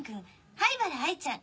灰原哀ちゃん